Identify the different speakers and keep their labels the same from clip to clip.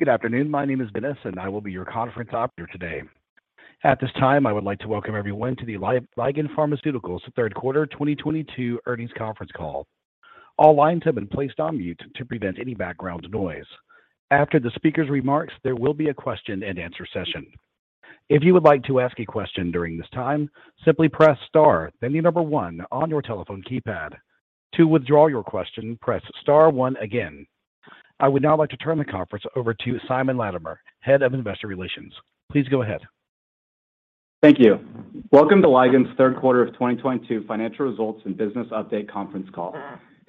Speaker 1: Good afternoon. My name is Vanessa, and I will be your conference operator today. At this time, I would like to welcome everyone to the Ligand Pharmaceuticals Q3 2022 Earnings Conference Call. All lines have been placed on mute to prevent any background noise. After the speaker's remarks, there will be a question and answer session. If you would like to ask a question during this time, simply press Star, then the number one on your telephone keypad. To withdraw your question, press Star one again. I would now like to turn the conference over to Simon Latimer, head of investor relations. Please go ahead.
Speaker 2: Thank you. Welcome to Ligand's Q3 of 2022 Financial Results and Business Update Conference Call.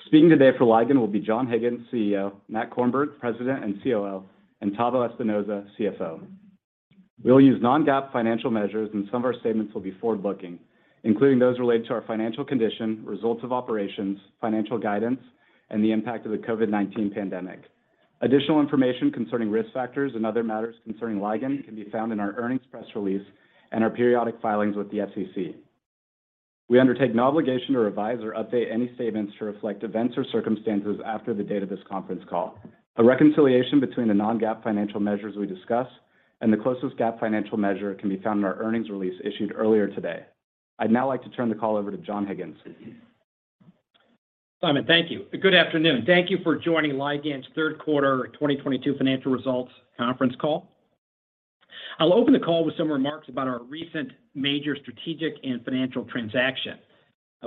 Speaker 2: Speaking today for Ligand will be John Higgins, CEO, Matthew Korenberg, President and COO, and Tavo Espinoza, CFO. We'll use non-GAAP financial measures, and some of our statements will be forward-looking, including those related to our financial condition, results of operations, financial guidance, and the impact of the COVID-19 pandemic. Additional information concerning risk factors and other matters concerning Ligand can be found in our earnings press release and our periodic filings with the SEC. We undertake no obligation to revise or update any statements to reflect events or circumstances after the date of this conference call. A reconciliation between the non-GAAP financial measures we discuss and the closest GAAP financial measure can be found in our earnings release issued earlier today. I'd now like to turn the call over to John Higgins.
Speaker 3: Simon, thank you. Good afternoon. Thank you for joining Ligand's Q3 2022 financial results conference call. I'll open the call with some remarks about our recent major strategic and financial transaction.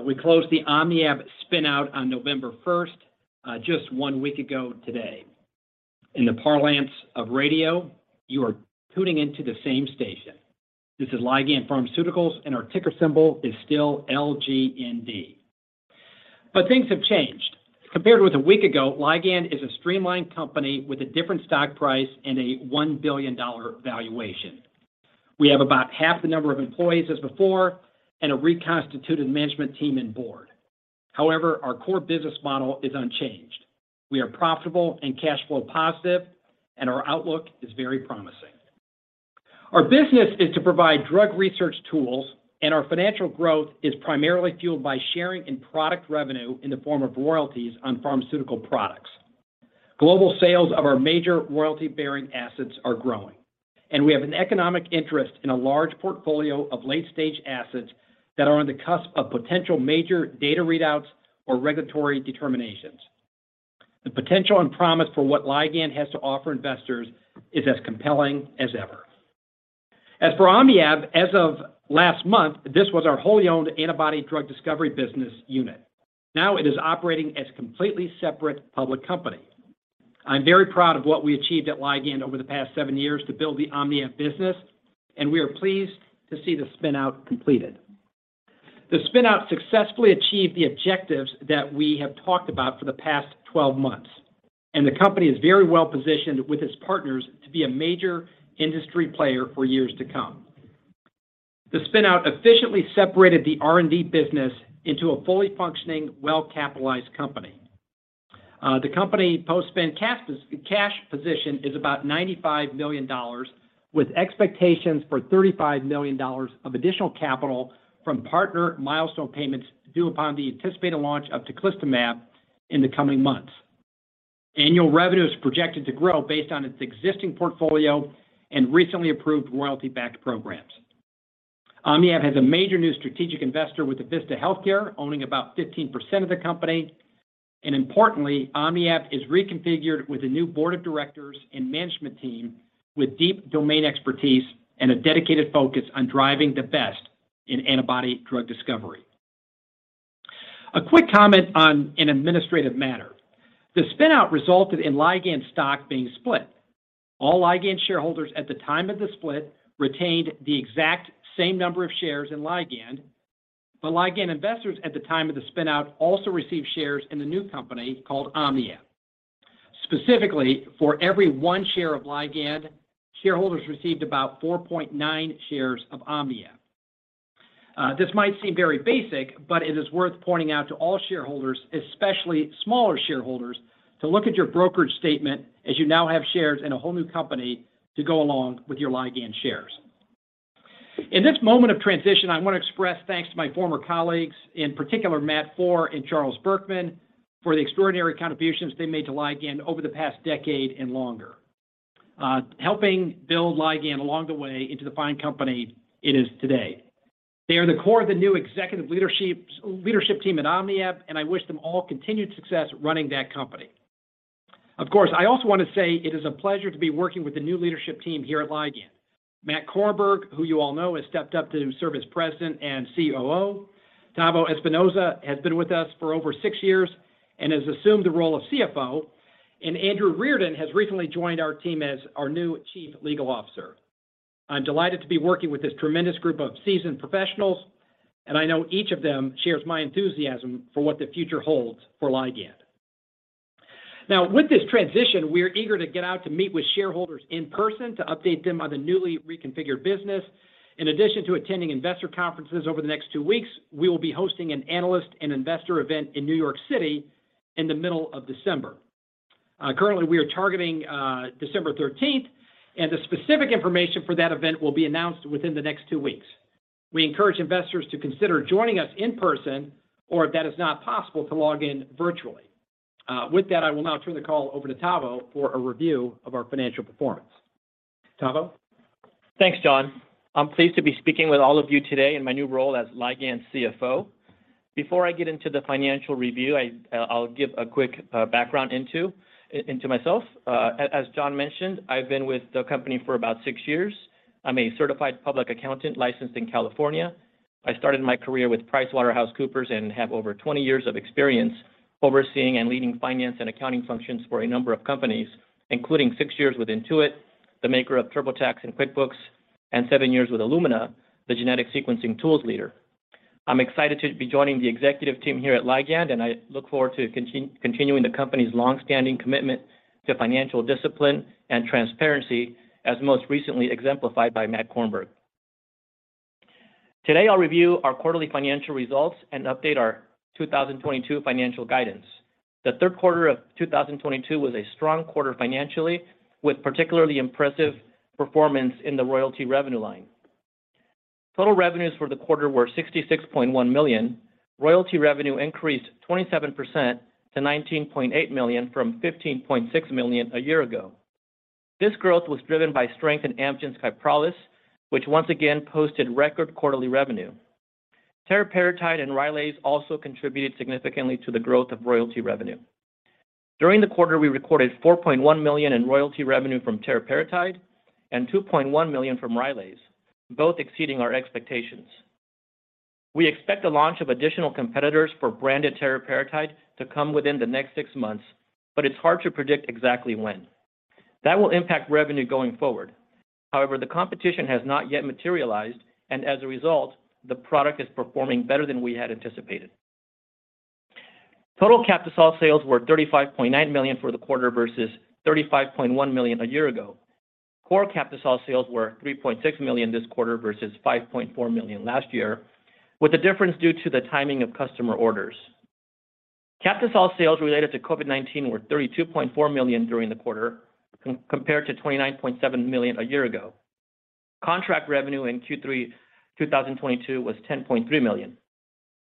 Speaker 3: We closed the OmniAb spin-out on November first, just one week ago today. In the parlance of radio, you are tuning into the same station. This is Ligand Pharmaceuticals, and our ticker symbol is still LGND. Things have changed. Compared with a week ago, Ligand is a streamlined company with a different stock price and a $1 billion valuation. We have about half the number of employees as before and a reconstituted management team and board. However, our core business model is unchanged. We are profitable and cash flow positive, and our outlook is very promising. Our business is to provide drug research tools, and our financial growth is primarily fueled by sharing in product revenue in the form of royalties on pharmaceutical products. Global sales of our major royalty-bearing assets are growing, and we have an economic interest in a large portfolio of late-stage assets that are on the cusp of potential major data readouts or regulatory determinations. The potential and promise for what Ligand has to offer investors is as compelling as ever. As for OmniAb, as of last month, this was our wholly owned antibody drug discovery business unit. Now it is operating as a completely separate public company. I'm very proud of what we achieved at Ligand over the past seven years to build the OmniAb business, and we are pleased to see the spin-out completed. The spin-out successfully achieved the objectives that we have talked about for the past 12 months, and the company is very well-positioned with its partners to be a major industry player for years to come. The spin-out efficiently separated the R&D business into a fully functioning, well-capitalized company. The company post-spin cash position is about $95 million, with expectations for $35 million of additional capital from partner milestone payments due upon the anticipated launch of teclistamab in the coming months. Annual revenue is projected to grow based on its existing portfolio and recently approved royalty-backed programs. OmniAb has a major new strategic investor with Avista Healthcare owning about 15% of the company. Importantly, OmniAb is reconfigured with a new board of directors and management team with deep domain expertise and a dedicated focus on driving the best in antibody drug discovery. A quick comment on an administrative matter. The spin-out resulted in Ligand stock being split. All Ligand shareholders at the time of the split retained the exact same number of shares in Ligand, but Ligand investors at the time of the spin-out also received shares in the new company called OmniAb. Specifically, for every one share of Ligand, shareholders received about 4.9 shares of OmniAb. This might seem very basic, but it is worth pointing out to all shareholders, especially smaller shareholders, to look at your brokerage statement as you now have shares in a whole new company to go along with your Ligand shares. In this moment of transition, I want to express thanks to my former colleagues, in particular Matt Foehr and Charles Berkman, for the extraordinary contributions they made to Ligand over the past decade and longer, helping build Ligand along the way into the fine company it is today. They are the core of the new executive leadership team at OmniAb, and I wish them all continued success running that company. Of course, I also want to say it is a pleasure to be working with the new leadership team here at Ligand. Matt Korenberg, who you all know, has stepped up to serve as President and COO. Tavo Espinoza has been with us for over six years and has assumed the role of CFO, and Andrew Reardon has recently joined our team as our new Chief Legal Officer. I'm delighted to be working with this tremendous group of seasoned professionals, and I know each of them shares my enthusiasm for what the future holds for Ligand. Now, with this transition, we are eager to get out to meet with shareholders in person to update them on the newly reconfigured business. In addition to attending investor conferences over the next two weeks, we will be hosting an analyst and investor event in New York City in the middle of December. Currently, we are targeting December thirteenth, and the specific information for that event will be announced within the next two weeks. We encourage investors to consider joining us in person or if that is not possible, to log in virtually. With that, I will now turn the call over to Tavo for a review of our financial performance. Tavo?
Speaker 4: Thanks, John. I'm pleased to be speaking with all of you today in my new role as Ligand's CFO. Before I get into the financial review, I'll give a quick background into myself. As John mentioned, I've been with the company for about six years. I'm a certified public accountant licensed in California. I started my career with PricewaterhouseCoopers and have over 20 years of experience overseeing and leading finance and accounting functions for a number of companies, including six years with Intuit, the maker of TurboTax and QuickBooks, and seven years with Illumina, the genetic sequencing tools leader. I'm excited to be joining the executive team here at Ligand, and I look forward to continuing the company's long-standing commitment to financial discipline and transparency as most recently exemplified by Matt Korenberg. Today, I'll review our quarterly financial results and update our 2022 financial guidance. The Q3 of 2022 was a strong quarter financially with particularly impressive performance in the royalty revenue line. Total revenues for the quarter were $66.1 million. Royalty revenue increased 27% to $19.8 million from $15.6 million a year ago. This growth was driven by strength in Amgen's Kyprolis, which once again posted record quarterly revenue. Teriparatide and Rylaze also contributed significantly to the growth of royalty revenue. During the quarter, we recorded $4.1 million in royalty revenue from teriparatide and $2.1 million from Rylaze, both exceeding our expectations. We expect the launch of additional competitors for branded teriparatide to come within the next six months, but it's hard to predict exactly when. That will impact revenue going forward. However, the competition has not yet materialized, and as a result, the product is performing better than we had anticipated. Total Captisol sales were $35.9 million for the quarter versus $35.1 million a year ago. Core Captisol sales were $3.6 million this quarter versus $5.4 million last year, with the difference due to the timing of customer orders. Captisol sales-related to COVID-19 were $32.4 million during the quarter compared to $29.7 million a year ago. Contract revenue in Q3 2022 was $10.3 million.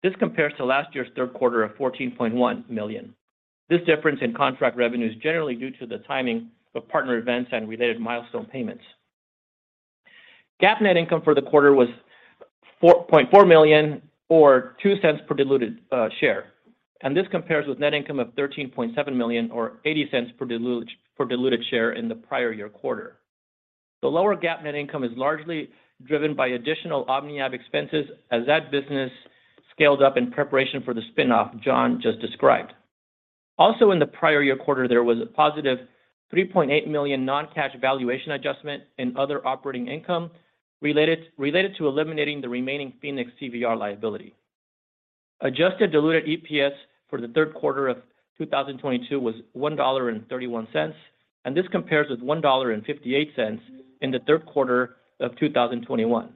Speaker 4: This compares to last year's Q3 of $14.1 million. This difference in contract revenue is generally due to the timing of partner events and related milestone payments. GAAP net income for the quarter was $4.4 million or $0.02 per diluted share, and this compares with net income of $13.7 million or $0.80 per diluted share in the prior year quarter. The lower GAAP net income is largely driven by additional OmniAb expenses as that business scaled up in preparation for the spin-off John just described. Also in the prior year quarter, there was a positive $3.8 million non-cash valuation adjustment in other operating income-related to eliminating the remaining Pfenex CVR liability. Adjusted diluted EPS for the Q3 of 2022 was $1.31, and this compares with $1.58 in the Q3 of 2021.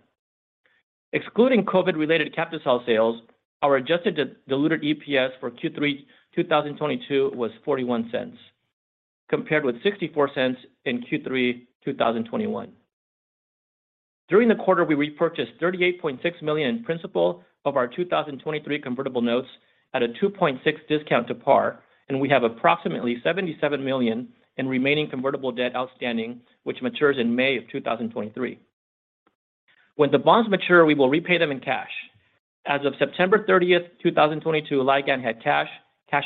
Speaker 4: Excluding COVID-related Captisol sales, our adjusted diluted EPS for Q3 2022 was $0.41, compared with $0.64 in Q3 2021. During the quarter, we repurchased $38.6 million in principal of our 2023 convertible notes at a 2.6% discount to par, and we have approximately $77 million in remaining convertible debt outstanding, which matures in May 2023. When the bonds mature, we will repay them in cash. As of September 30, 2022, Ligand had cash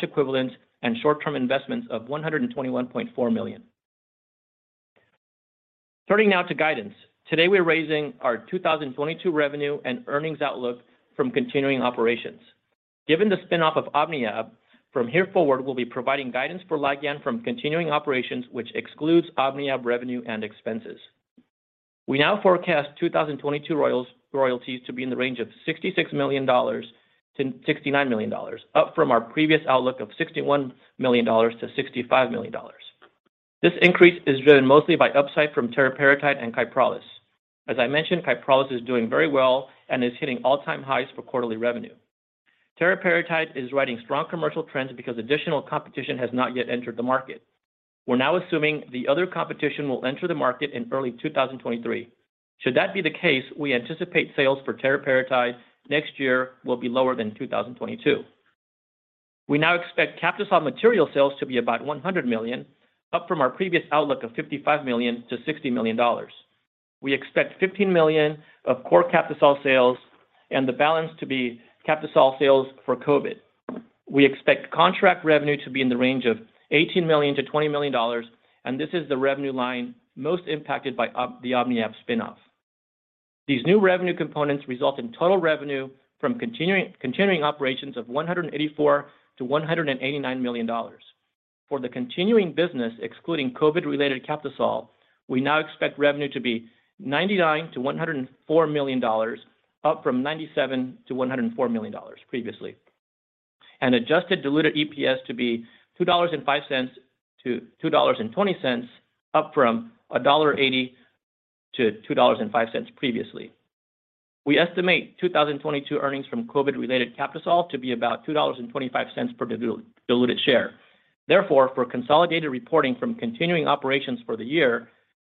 Speaker 4: equivalents, and short-term investments of $121.4 million. Turning now to guidance. Today we're raising our 2022 revenue and earnings outlook from continuing operations. Given the spin-off of OmniAb, from here forward, we'll be providing guidance for Ligand from continuing operations, which excludes OmniAb revenue and expenses. We now forecast 2022 royalties to be in the range of $66 million-$69 million, up from our previous outlook of $61 million-$65 million. This increase is driven mostly by upside from teriparatide and Kyprolis. As I mentioned, Kyprolis is doing very well and is hitting all-time highs for quarterly revenue. Teriparatide is riding strong commercial trends because additional competition has not yet entered the market. We're now assuming the other competition will enter the market in early 2023. Should that be the case, we anticipate sales for teriparatide next year will be lower than 2022. We now expect Captisol material sales to be about $100 million, up from our previous outlook of $55 million-$60 million. We expect $15 million of core Captisol sales and the balance to be Captisol sales for COVID. We expect contract revenue to be in the range of $18 million-$20 million, and this is the revenue line most impacted by the OmniAb spin-off. These new revenue components result in total revenue from continuing operations of $184 million-$189 million. For the continuing business, excluding COVID-related Captisol, we now expect revenue to be $99 million-$104 million, up from $97 million-$104 million previously. Adjusted diluted EPS to be $2.05-$2.20, up from $1.80-$2.05 previously. We estimate 2022 earnings from COVID-related Captisol to be about $2.25 per diluted share. Therefore, for consolidated reporting from continuing operations for the year,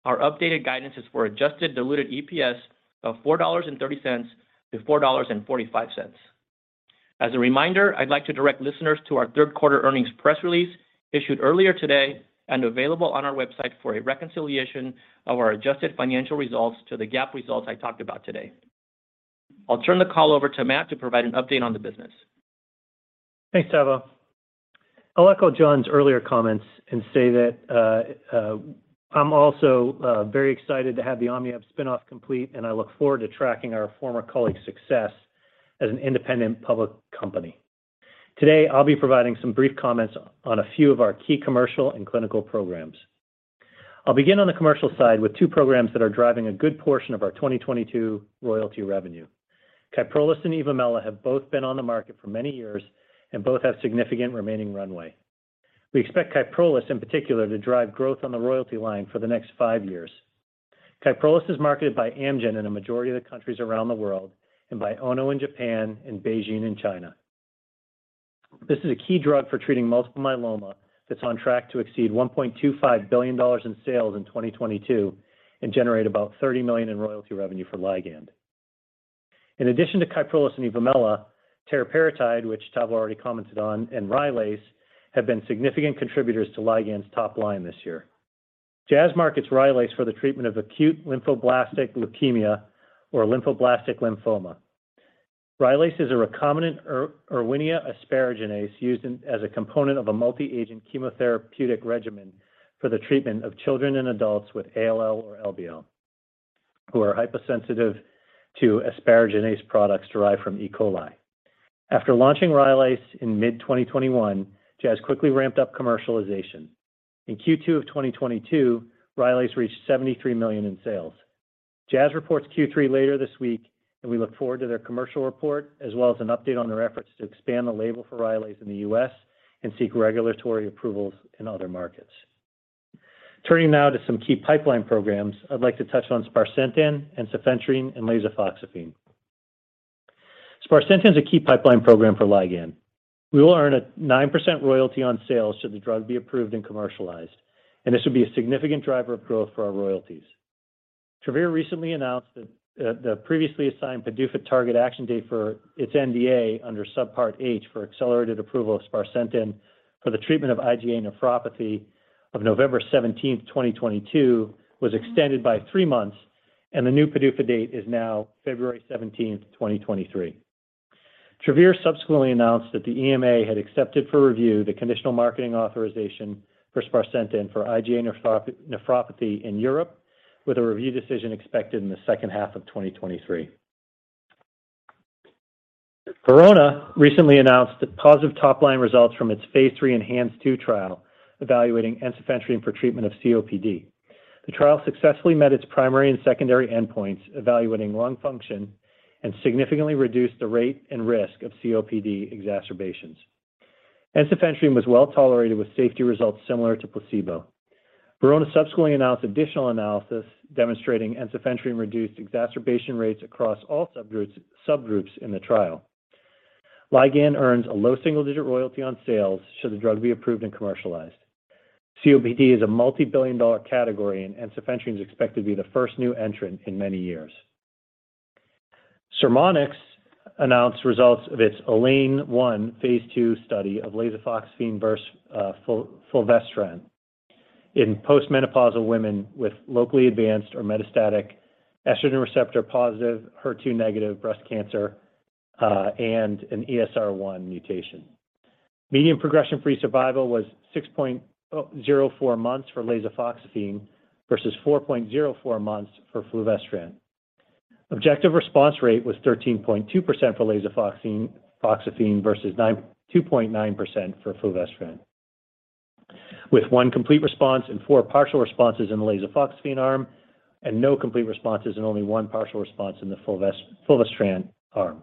Speaker 4: our updated guidance is for adjusted diluted EPS of $4.30-$4.45. As a reminder, I'd like to direct listeners to our Q3 earnings press release issued earlier today and available on our website for a reconciliation of our adjusted financial results to the GAAP results I talked about today. I'll turn the call over to Matt to provide an update on the business.
Speaker 5: Thanks, Tavo. I'll echo John's earlier comments and say that, I'm also, very excited to have the OmniAb spin-off complete, and I look forward to tracking our former colleagues' success as an independent public company. Today, I'll be providing some brief comments on a few of our key commercial and clinical programs. I'll begin on the commercial side with two programs that are driving a good portion of our 2022 royalty revenue. Kyprolis and Evomela have both been on the market for many years and both have significant remaining runway. We expect Kyprolis, in particular, to drive growth on the royalty line for the next five years. Kyprolis is marketed by Amgen in a majority of the countries around the world and by Ono in Japan and BeiGene in China. This is a key drug for treating multiple myeloma that's on track to exceed $1.25 billion in sales in 2022 and generate about $30 million in royalty revenue for Ligand. In addition to Kyprolis and Evomela, teriparatide, which Tavo already commented on, and Rylaze have been significant contributors to Ligand's top line this year. Jazz markets Rylaze for the treatment of acute lymphoblastic leukemia or lymphoblastic lymphoma. Rylaze is a recombinant Erwinia asparaginase used as a component of a multi-agent chemotherapeutic regimen for the treatment of children and adults with ALL or LBL who are hypersensitive to asparaginase products derived from E. coli. After launching Rylaze in mid-2021, Jazz quickly ramped up commercialization. In Q2 of 2022, Rylaze reached $73 million in sales. Jazz reports Q3 later this week, and we look forward to their commercial report, as well as an update on their efforts to expand the label for Rylaze in the U.S. and seek regulatory approvals in other markets. Turning now to some key pipeline programs, I'd like to touch on sparsentan, ensifentrine, and lasofoxifene. Sparsentan is a key pipeline program for Ligand. We will earn a 9% royalty on sales should the drug be approved and commercialized, and this would be a significant driver of growth for our royalties. Travere recently announced that the previously assigned PDUFA target action date for its NDA under Subpart H for accelerated approval of sparsentan for the treatment of IgA nephropathy of November 17, 2022 was extended by three months, and the new PDUFA date is now February 17, 2023. Travere Therapeutics subsequently announced that the EMA had accepted for review the conditional marketing authorization for Sparsentan for IgA nephropathy in Europe, with a review decision expected in the second half of 2023. Verona Pharma recently announced positive top-line results from its Phase III ENHANCE-2 trial evaluating ensifentrine for treatment of COPD. The trial successfully met its primary and secondary endpoints evaluating lung function and significantly reduced the rate and risk of COPD exacerbations. ensifentrine was well-tolerated with safety results similar to placebo. Verona Pharma subsequently announced additional analysis demonstrating ensifentrine reduced exacerbation rates across all subgroups in the trial. Ligand earns a low single-digit royalty on sales should the drug be approved and commercialized. COPD is a multi-billion-dollar category, and ensifentrine is expected to be the first new entrant in many years. Sermonix Pharmaceuticals announced results of its ELAINE-1 Phase II study of lasofoxifene versus fulvestrant in postmenopausal women with locally advanced or metastatic estrogen receptor-positive, HER2-negative breast cancer and an ESR1 mutation. Median progression-free survival was 6.04 months for lasofoxifene versus 4.04 months for fulvestrant. Objective response rate was 13.2% for lasofoxifene versus 2.9% for fulvestrant, with one complete response and four partial responses in the lasofoxifene arm and no complete responses and only one partial response in the fulvestrant arm.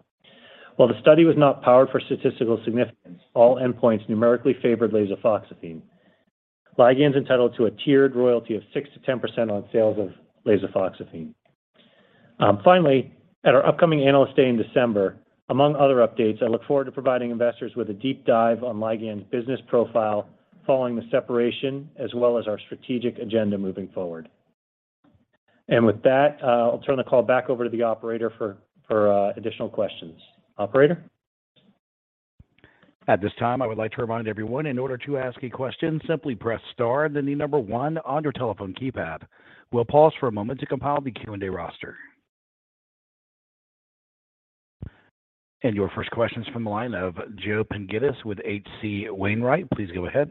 Speaker 5: While the study was not powered for statistical significance, all endpoints numerically favored lasofoxifene. Ligand's entitled to a tiered royalty of 6%-10% on sales of lasofoxifene. Finally, at our upcoming Analyst Day in December, among other updates, I look forward to providing investors with a deep dive on Ligand's business profile following the separation as well as our strategic agenda moving forward. With that, I'll turn the call back over to the operator for additional questions. Operator?
Speaker 1: At this time, I would like to remind everyone, in order to ask a question, simply press Star then the number one on your telephone keypad. We'll pause for a moment to compile the Q&A roster. Your first question's from the line of Joe Pantginis with H.C. Wainwright. Please go ahead.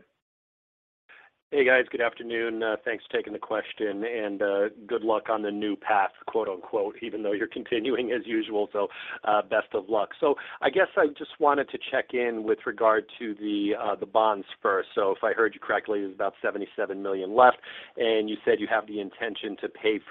Speaker 6: Hey, guys. Good afternoon. Thanks for taking the question, and good luck on the "new path," quote-unquote, even though you're continuing as usual, best of luck. I guess I just wanted to check in with regard to the bonds first. If I heard you correctly, there's about $77 million left, and you said you have the intention to pay it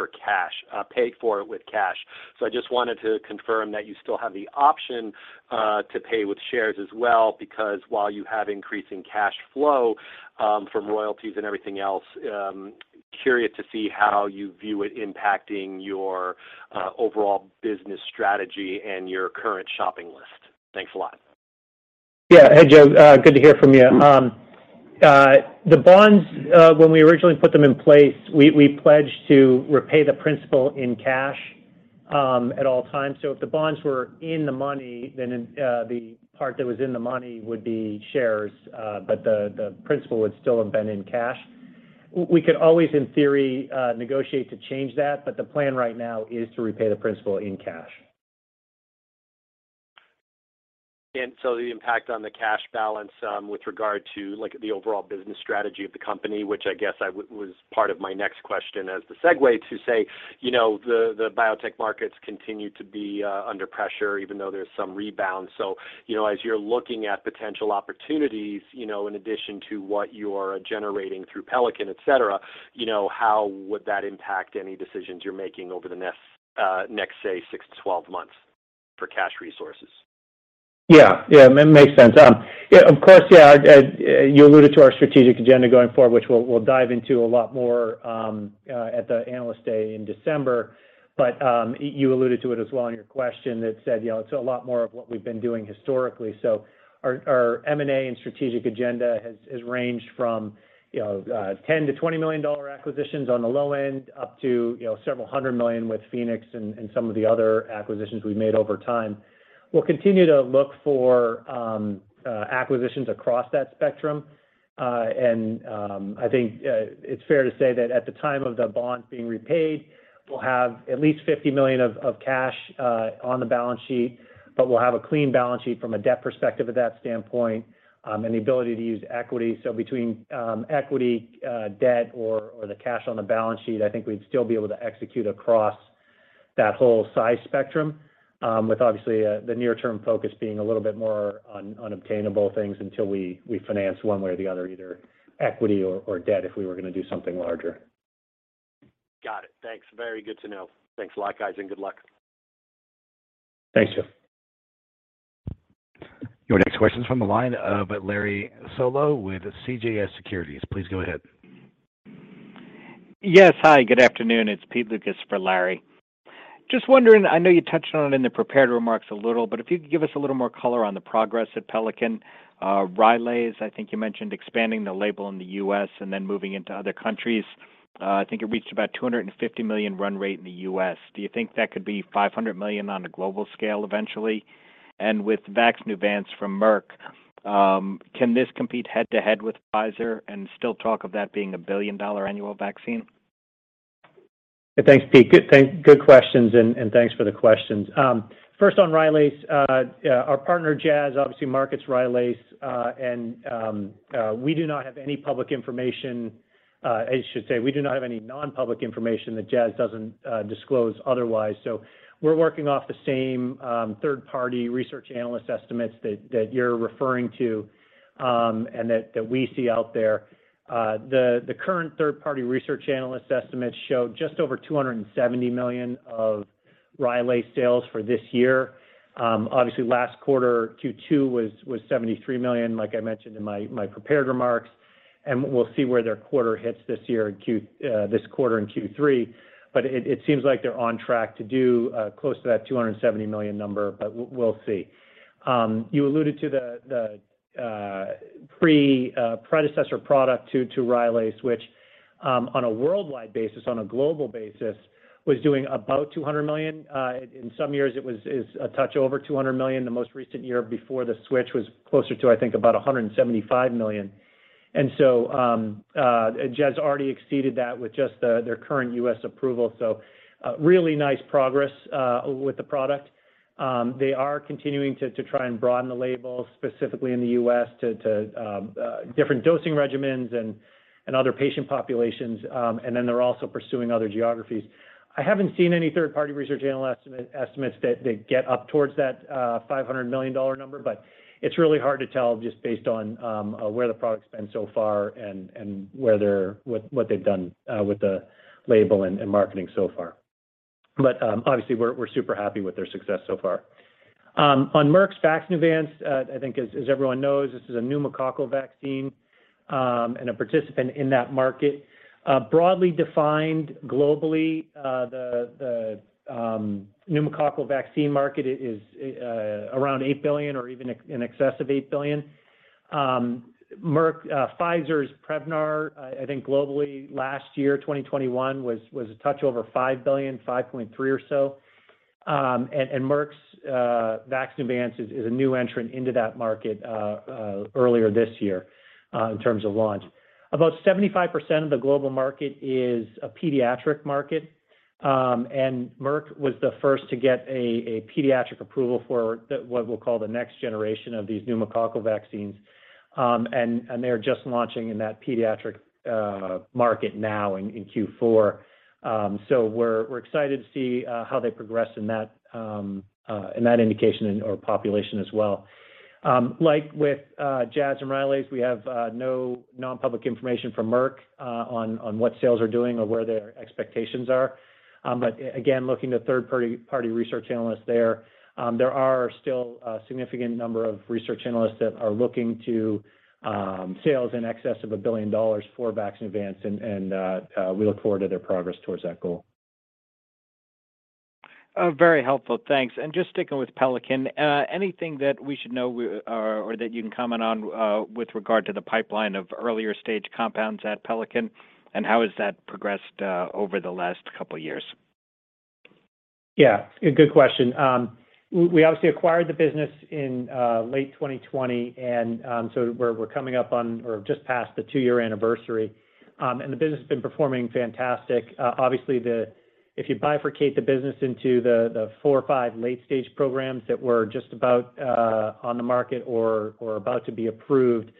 Speaker 6: off with cash. I just wanted to confirm that you still have the option to pay with shares as well because while you have increasing cash flow from royalties and everything else, curious to see how you view it impacting your overall business strategy and your current shopping list. Thanks a lot.
Speaker 5: Yeah. Hey, Joe. Good to hear from you. The bonds, when we originally put them in place, we pledged to repay the principal in cash at all times. If the bonds were in the money, then the part that was in the money would be shares, but the principal would still have been in cash. We could always, in theory, negotiate to change that, but the plan right now is to repay the principal in cash.
Speaker 6: The impact on the cash balance, with regard to, like, the overall business strategy of the company, which I guess was part of my next question as the segue to say, you know, the biotech markets continue to be under pressure even though there's some rebound. You know, as you're looking at potential opportunities, you know, in addition to what you are generating through Pelican, et cetera, you know, how would that impact any decisions you're making over the next, say, 6-12 months for cash resources?
Speaker 5: Yeah, makes sense. Of course, you alluded to our strategic agenda going forward, which we'll dive into a lot more at the Analyst Day in December. You alluded to it as well in your question that said, you know, it's a lot more of what we've been doing historically. Our M&A and strategic agenda has ranged from, you know, $10-$20 million acquisitions on the low end, up to, you know, several hundred million with Pfenex and some of the other acquisitions we've made over time. We'll continue to look for acquisitions across that spectrum. I think it's fair to say that at the time of the bond being repaid, we'll have at least $50 million of cash on the balance sheet, but we'll have a clean balance sheet from a debt perspective at that standpoint, and the ability to use equity. Between equity, debt, or the cash on the balance sheet, I think we'd still be able to execute across that whole size spectrum, with obviously the near term focus being a little bit more on non-dilutive things until we finance one way or the other, either equity or debt if we were gonna do something larger.
Speaker 6: Got it. Thanks. Very good to know. Thanks a lot, guys, and good luck.
Speaker 5: Thanks, Joe.
Speaker 1: Your next question's from the line of Larry Solow with CJS Securities. Please go ahead.
Speaker 7: Yes. Hi, good afternoon. It's Peter Lukas for Larry Solow. Just wondering, I know you touched on it in the prepared remarks a little, but if you could give us a little more color on the progress at Pelican. Rylaze, I think you mentioned expanding the label in the US and then moving into other countries. I think it reached about $250 million run rate in the US. Do you think that could be $500 million on a global scale eventually? With VAXNEUVANCE from Merck, can this compete head-to-head with Pfizer and still talk of that being a billion-dollar annual vaccine?
Speaker 5: Thanks, Pete. Good questions, and thanks for the questions. First on Rylaze, our partner, Jazz Pharmaceuticals, obviously markets Rylaze, and we do not have any public information, I should say we do not have any non-public information that Jazz doesn't disclose otherwise. So we're working off the same third-party research analyst estimates that you're referring to, and that we see out there. The current third-party research analyst estimates show just over $270 million of Rylaze sales for this year. Obviously last quarter, Q2, was $73 million, like I mentioned in my prepared remarks. We'll see where their quarter hits this year in this quarter in Q3. It seems like they're on track to do close to that $270 million number, but we'll see. You alluded to the predecessor product to Rylaze, which, on a worldwide basis, on a global basis, was doing about $200 million. In some years, it is a touch over $200 million. The most recent year before the switch was closer to, I think, about $175 million. Jazz already exceeded that with just their current US approval. Really nice progress with the product. They are continuing to try and broaden the label, specifically in the US to different dosing regimens and other patient populations. They're also pursuing other geographies. I haven't seen any third-party research analyst estimates that get up towards that $500 million number, but it's really hard to tell just based on where the product's been so far and what they've done with the label and marketing so far. Obviously, we're super happy with their success so far. On Merck's VAXNEUVANCE, I think as everyone knows, this is a pneumococcal vaccine and a participant in that market. Broadly defined globally, the pneumococcal vaccine market is around $8 billion or even in excess of $8 billion. Merck, Pfizer's Prevnar, I think globally last year, 2021, was a touch over $5 billion, $5.3 billion or so. Merck's VAXNEUVANCE is a new entrant into that market earlier this year in terms of launch. About 75% of the global market is a pediatric market. Merck was the first to get a pediatric approval for what we'll call the next generation of these pneumococcal vaccines. They're just launching in that pediatric market now in Q4. We're excited to see how they progress in that indication or population as well. Like with Jazz and Rylaze, we have no non-public information from Merck on what sales are doing or where their expectations are. Again, looking to third-party research analysts there are still a significant number of research analysts that are looking to sales in excess of $1 billion for VAXNEUVANCE, and we look forward to their progress towards that goal.
Speaker 7: Oh, very helpful. Thanks. Just sticking with Pelican, anything that we should know or that you can comment on with regard to the pipeline of earlier-stage compounds at Pelican, and how has that progressed over the last couple years?
Speaker 3: Yeah, good question. We obviously acquired the business in late 2020, and so we're coming up on or just passed the two-year anniversary. The business has been performing fantastic. Obviously, if you bifurcate the business into the four or five late-stage programs that were just about on the market or about to be approved,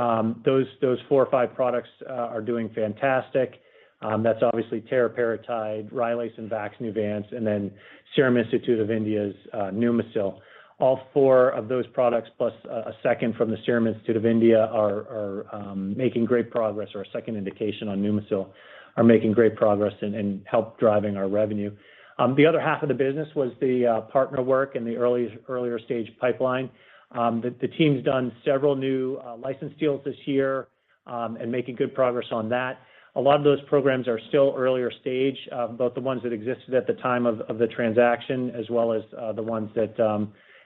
Speaker 3: those four or five products are doing fantastic. That's obviously teriparatide, Rylaze and VAXNEUVANCE, and then Serum Institute of India's Pneumosil. All four of those products plus a second from the Serum Institute of India are making great progress or a second indication on Pneumosil, are making great progress and help driving our revenue. The other half of the business was the partner work in the earlier-stage pipeline. The team's done several new license deals this year and making good progress on that. A lot of those programs are still earlier-stage, both the ones that existed at the time of the transaction, as well as the ones that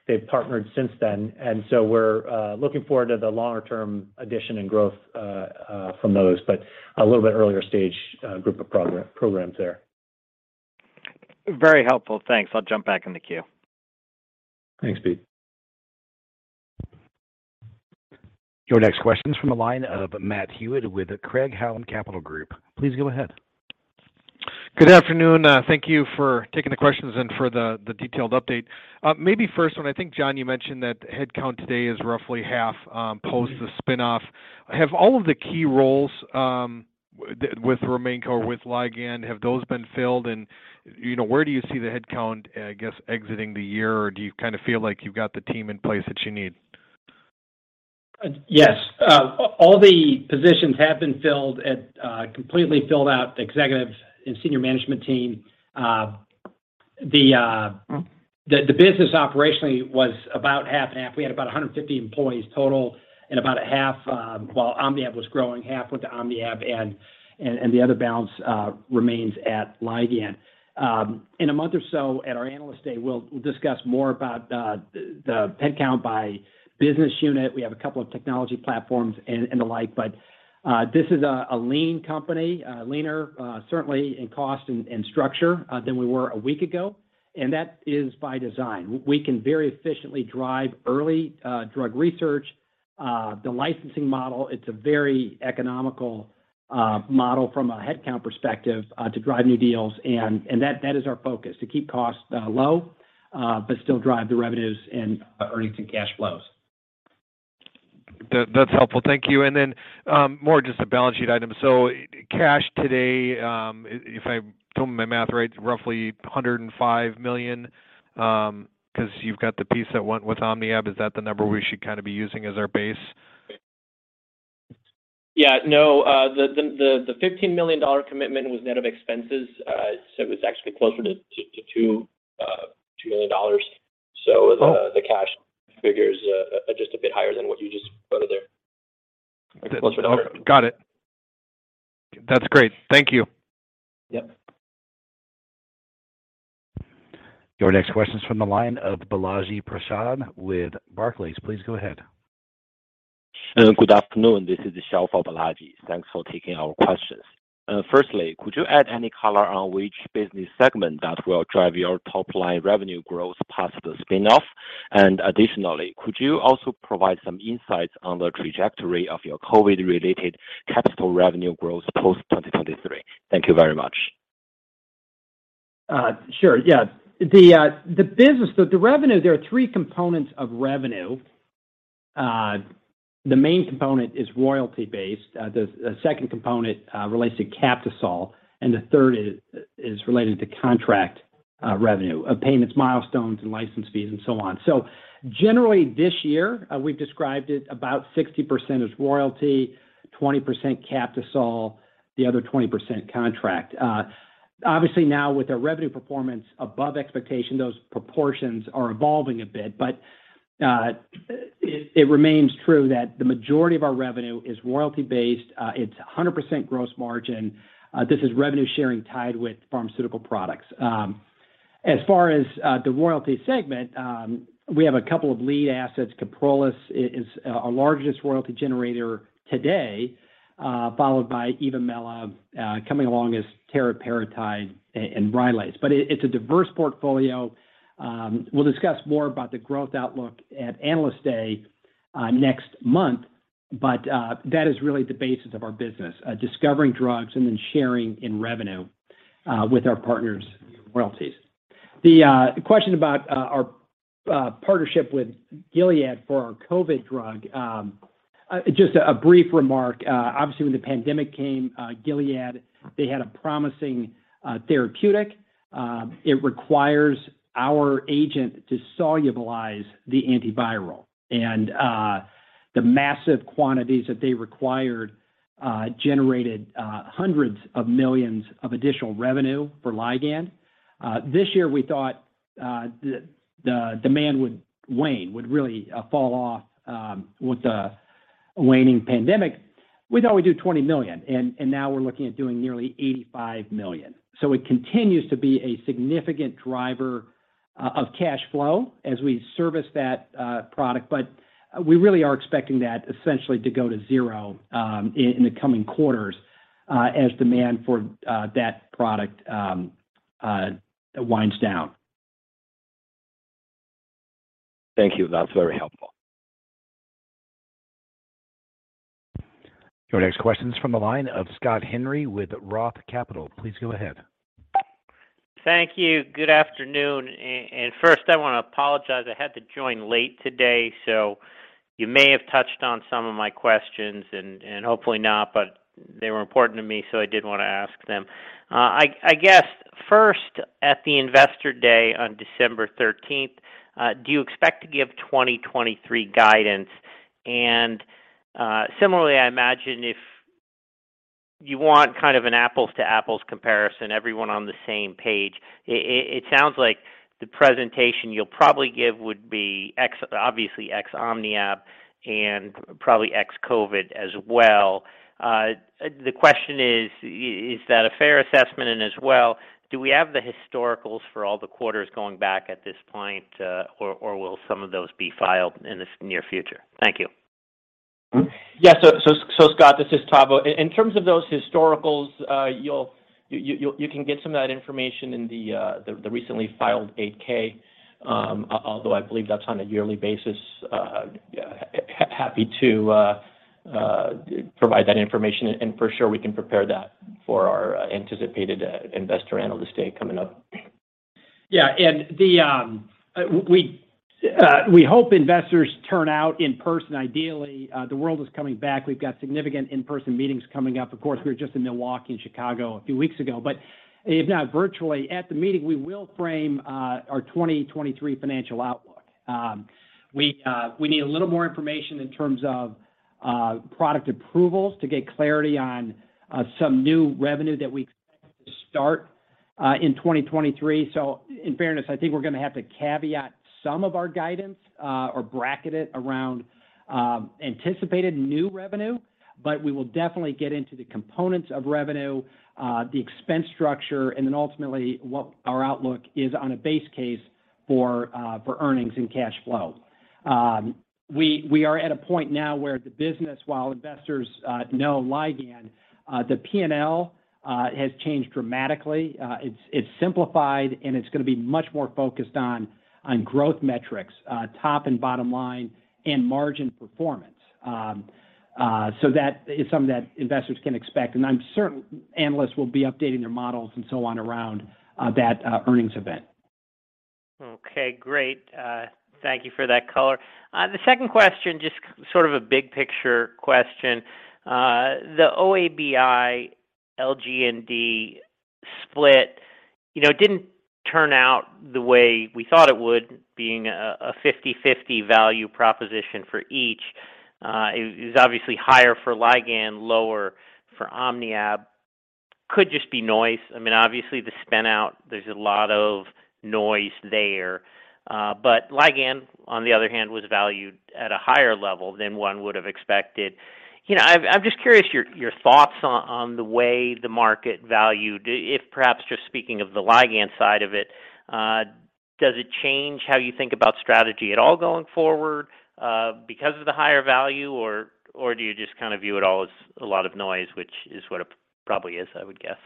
Speaker 3: they've partnered since then. We're looking forward to the longer-term addition and growth from those, but a little bit earlier-stage group of programs there.
Speaker 7: Very helpful. Thanks. I'll jump back in the queue.
Speaker 3: Thanks, Pete.
Speaker 1: Your next question is from the line of Matthew Hewitt with Craig-Hallum Capital Group. Please go ahead.
Speaker 8: Good afternoon. Thank you for taking the questions and for the detailed update. Maybe first one, I think, John, you mentioned that headcount today is roughly half post the spin-off. Have all of the key roles with OmniAb or with Ligand been filled? You know, where do you see the headcount, I guess, exiting the year? Or do you kind of feel like you've got the team in place that you need?
Speaker 3: Yes. All the positions have been filled at completely filled out executives and senior management team. The business operationally was about half and half. We had about 150 employees total and about a half, while OmniAb was growing, half went to OmniAb and the other balance remains at Ligand. In a month or so at our Analyst Day, we'll discuss more about the headcount by business unit. We have a couple of technology platforms and the like. This is a lean company, leaner certainly in cost and structure than we were a week ago. That is by design. We can very efficiently drive early drug research, the licensing model. It's a very economical model from a headcount perspective to drive new deals, and that is our focus, to keep costs low, but still drive the revenues and earnings and cash flows.
Speaker 8: That's helpful. Thank you. More just a balance sheet item. Cash today, if I'm doing my math right, roughly $105 million, 'cause you've got the piece that went with OmniAb. Is that the number we should kind of be using as our base?
Speaker 3: The $15 million commitment was net of expenses. It was actually closer to $2 million.
Speaker 8: Oh.
Speaker 3: The cash figure is just a bit higher than what you just quoted there.
Speaker 8: Got it. That's great. Thank you.
Speaker 3: Yep.
Speaker 1: Your next question is from the line of Balaji Prasad with Barclays. Please go ahead.
Speaker 9: Good afternoon. This is Xiao for Balaji. Thanks for taking our questions. Firstly, could you add any color on which business segment that will drive your top-line revenue growth past the spin-off? Additionally, could you also provide some insights on the trajectory of your COVID-related Captisol revenue growth post-2023? Thank you very much.
Speaker 3: Sure, yeah. The revenue, there are three components of revenue. The main component is royalty-based. The second component relates to Captisol, and the third is related to contract revenue, payments, milestones, and license fees, and so on. Generally this year, we've described it about 60% is royalty, 20% Captisol, the other 20% contract. Obviously now with our revenue performance above expectation, those proportions are evolving a bit, but it remains true that the majority of our revenue is royalty-based. It's 100% gross margin. This is revenue sharing tied with pharmaceutical products. As far as the royalty segment, we have a couple of lead assets. Kyprolis is our largest royalty generator today, followed by Evomela, coming along as teriparatide and Rylaze. It's a diverse portfolio. We'll discuss more about the growth outlook at Analyst Day next month, that is really the basis of our business, discovering drugs and then sharing in revenue with our partners' royalties. The question about our partnership with Gilead Sciences for our COVID-19 drug, just a brief remark. Obviously, when the pandemic came, Gilead Sciences, they had a promising therapeutic. It requires our agent to solubilize the antiviral. The massive quantities that they required generated hundreds of millions of additional revenue for Ligand. This year we thought the demand would wane, would really fall off with the waning pandemic. We thought we'd do $20 million, and now we're looking at doing nearly $85 million. It continues to be a significant driver of cash flow as we service that product. We really are expecting that essentially to go to zero in the coming quarters as demand for that product winds down.
Speaker 9: Thank you. That's very helpful.
Speaker 1: Your next question's from the line of Scott Henry with Roth Capital. Please go ahead.
Speaker 10: Thank you. Good afternoon. First I wanna apologize, I had to join late today, so you may have touched on some of my questions and hopefully not, but they were important to me, so I did wanna ask them. I guess first, at the Investor Day on December thirteenth, do you expect to give 2023 guidance? Similarly, I imagine if you want kind of an apples to apples comparison, everyone on the same page, it sounds like the presentation you'll probably give would be ex- obviously ex-OmniAb and probably ex-COVID as well. The question is that a fair assessment? As well, do we have the historicals for all the quarters going back at this point, or will some of those be filed in the near future? Thank you.
Speaker 4: Scott, this is Tavo. In terms of those historicals, you can get some of that information in the recently filed 8-K. Although I believe that's on a yearly basis. Happy to provide that information, for sure we can prepare that for our anticipated investor analyst day coming up.
Speaker 3: Yeah. We hope investors turn out in person, ideally. The world is coming back. We've got significant in-person meetings coming up. Of course, we were just in Milwaukee and Chicago a few weeks ago. If not, virtually at the meeting, we will frame our 2023 financial outlook. We need a little more information in terms of product approvals to get clarity on some new revenue that we expect to start in 2023. In fairness, I think we're gonna have to caveat some of our guidance or bracket it around anticipated new revenue. We will definitely get into the components of revenue, the expense structure, and then ultimately what our outlook is on a base case for earnings and cash flow. We are at a point now where the business, while investors know Ligand, the P&L has changed dramatically. It's simplified, and it's gonna be much more focused on growth metrics, top and bottom line and margin performance. That is something that investors can expect, and I'm certain analysts will be updating their models and so on around that earnings event.
Speaker 10: Okay, great. Thank you for that color. The second question, just sort of a big picture question. The OABI, LGND split, you know, didn't turn out the way we thought it would, being a 50/50 value proposition for each. It was obviously higher for Ligand, lower for OmniAb. Could just be noise. I mean, obviously the spin-out, there's a lot of noise there. Ligand on the other hand, was valued at a higher level than one would have expected. You know, I'm just curious your thoughts on the way the market valued, if perhaps just speaking of the Ligand side of it, does it change how you think about strategy at all going forward, because of the higher value or do you just kind of view it all as a lot of noise, which is what it probably is, I would guess.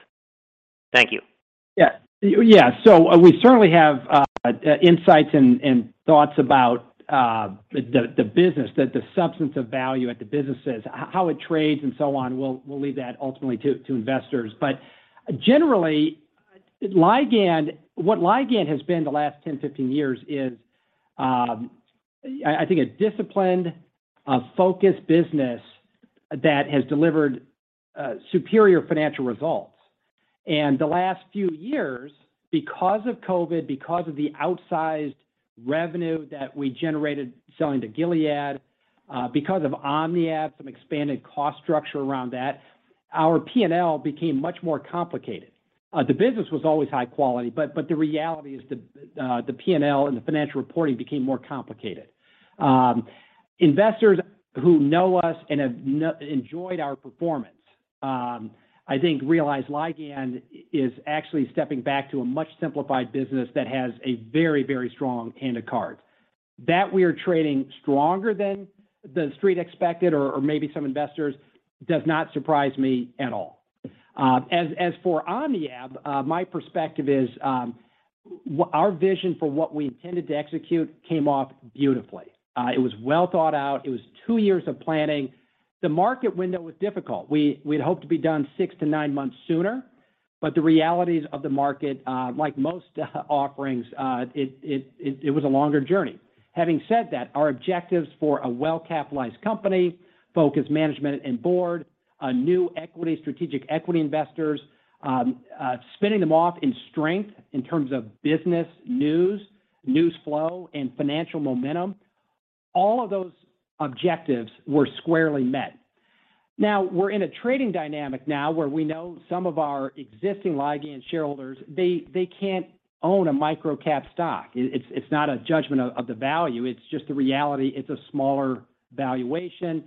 Speaker 10: Thank you.
Speaker 3: Yeah. We certainly have insights and thoughts about the business, the substance of value at the businesses. How it trades and so on, we'll leave that ultimately to investors. But generally, Ligand—what Ligand has been the last 10, 15 years is, I think a disciplined, focused business that has delivered superior financial results. The last few years, because of COVID, because of the outsized revenue that we generated selling to Gilead, because of OmniAb, some expanded cost structure around that, our P&L became much more complicated. The business was always high quality, but the reality is the P&L and the financial reporting became more complicated. Investors who know us and have enjoyed our performance, I think realize Ligand is actually stepping back to a much simplified business that has a very, very strong hand of cards. That we are trading stronger than the street expected or maybe some investors does not surprise me at all. As for OmniAb, my perspective is our vision for what we intended to execute came off beautifully. It was well thought out. It was two years of planning. The market window was difficult. We'd hoped to be done six to nine months sooner, but the realities of the market, like most offerings, it was a longer journey. Having said that, our objectives for a well-capitalized company, focused management and board, a new equity, strategic equity investors, spinning them off in strength in terms of business news flow and financial momentum, all of those objectives were squarely met. Now we're in a trading dynamic now where we know some of our existing Ligand shareholders, they can't own a micro-cap stock. It's not a judgment of the value, it's just the reality, it's a smaller valuation.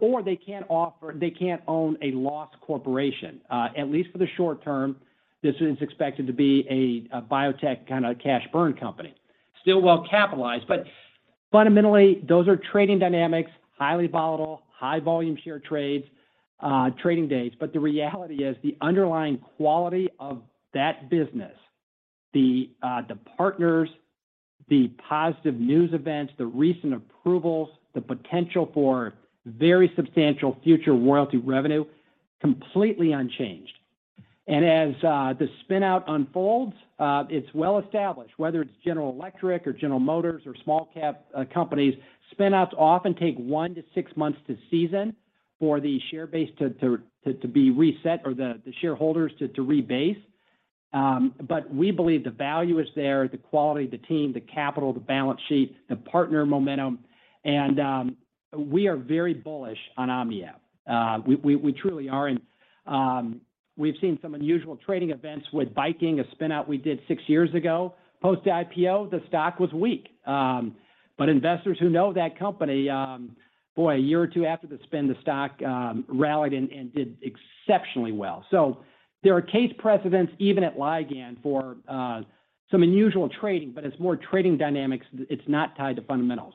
Speaker 3: Or they can't own a loss corporation. At least for the short term, this is expected to be a biotech kind of cash burn company. Still well-capitalized, but fundamentally those are trading dynamics, highly volatile, high volume share trades, trading days. The reality is the underlying quality of that business, the partners, the positive news events, the recent approvals, the potential for very substantial future royalty revenue, completely unchanged. As the spin-out unfolds, it's well established, whether it's General Electric or General Motors or small-cap companies, spin-outs often take one to six months to season for the share base to be reset or the shareholders to rebase. We believe the value is there, the quality of the team, the capital, the balance sheet, the partner momentum, and we are very bullish on OmniAb. We truly are. We've seen some unusual trading events with Viking, a spin-out we did six years ago. Post-IPO, the stock was weak. Investors who know that company, boy, a year or two after the spin, the stock rallied and did exceptionally well. There are case precedents even at Ligand for some unusual trading, but it's more trading dynamics, it's not tied to fundamentals.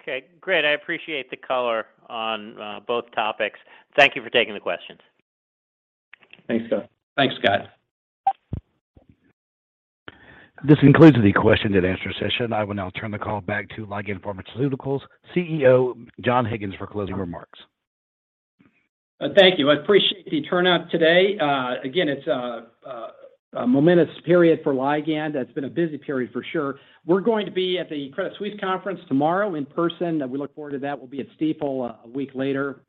Speaker 10: Okay, great. I appreciate the color on both topics. Thank you for taking the questions.
Speaker 3: Thanks, Scott.
Speaker 1: This concludes the question and answer session. I will now turn the call back to Ligand Pharmaceuticals CEO, John Higgins, for closing remarks.
Speaker 3: Thank you. I appreciate the turnout today. Again, it's a momentous period for Ligand. It's been a busy period for sure. We're going to be at the Credit Suisse conference tomorrow in person. We look forward to that. We'll be at Stifel a week later.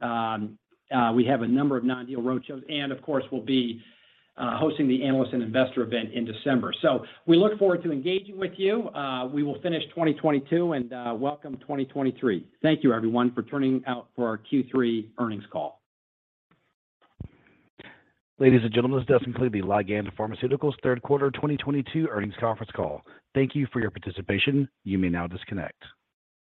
Speaker 3: We have a number of non-deal roadshows. Of course, we'll be hosting the analyst and investor event in December. We look forward to engaging with you. We will finish 2022 and welcome 2023. Thank you everyone for turning out for our Q3 earnings call.
Speaker 1: Ladies and gentlemen, this does conclude the Ligand Pharmaceuticals Q3 2022 Earnings Conference Call. Thank you for your participation. You may now disconnect.